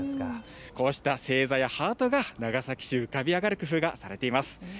こうした星座やハートが長崎市に浮かび上がる工夫がされています。